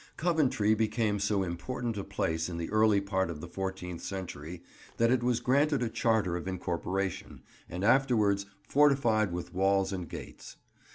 Coventry became so important a place in the early part of the fourteenth century that it was granted a charter of incorporation, and afterwards fortified with walls and gates.